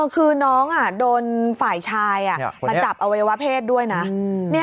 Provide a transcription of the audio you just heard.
คือน้องโดนฝ่ายชายมาจับอวัยวะเพศด้วยนะ